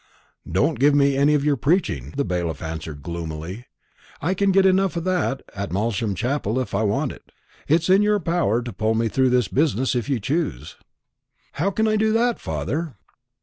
"Don't give me any of your preaching," the bailiff answered gloomily; "I can get enough of that at Malsham Chapel if I want it. It's in your power to pull me through this business if you choose." "How can I do that, father?"